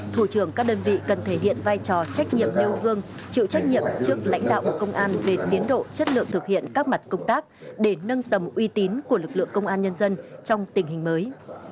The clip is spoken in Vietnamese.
thủ trưởng các đơn vị cần thể hiện vai trò trách nhiệm nêu gương chịu trách nhiệm trước lãnh đạo bộ công an về tiến độ chất lượng thực hiện các mặt công tác để nâng tầm uy tín của lực lượng công an nhân dân trong tình hình mới